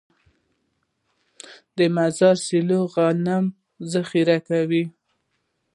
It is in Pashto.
د مزار سیلو غنم ذخیره کوي.